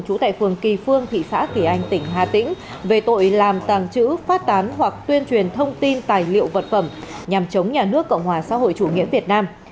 trú tại phường kỳ phương thị xã kỳ anh tỉnh hà tĩnh về tội làm tàng trữ phát tán hoặc tuyên truyền thông tin tài liệu vật phẩm nhằm chống nhà nước cộng hòa xã hội chủ nghĩa việt nam